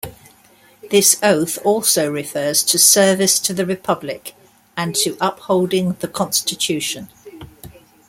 This oath also refers to service to the republic, and to upholding the Constitution.